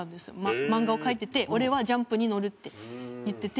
漫画を描いてて「俺は『ジャンプ』に載る」って言ってて。